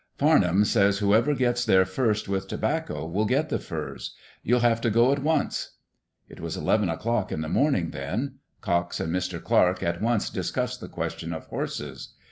Farnham says whoever gets there first with tobacco will get the furs. You'll have to go at once." It was eleven o'clock in the morning then. Cox and Mr. Clarke at once discussed the question of horses.